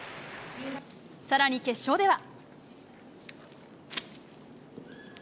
さらに決勝では。